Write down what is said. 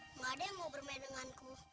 nggak ada yang mau bermain denganku